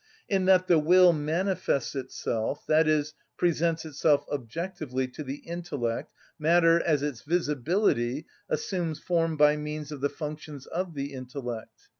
In that the will manifests itself, i.e., presents itself objectively to the intellect, matter, as its visibility, assumes form by means of the functions of the intellect.